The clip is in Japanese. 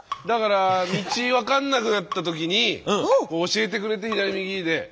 だから道分かんなくなった時に教えてくれて左右で。